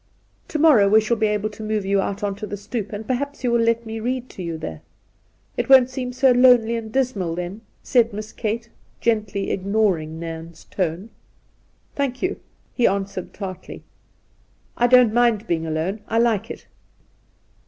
' To morrow we shall be able to move you out on to the stoep, and perhaps you will let me read to you there ? It won't seem so lonely and dismal then,' said Miss Kate, gently ignoring Nairn's tone. 'Thank, you!' he answered tartly; 'I don't mind being alone. I like it